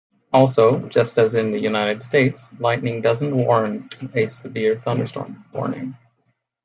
Also, just as in the United States, lightning doesn't warrant a severe thunderstorm warning.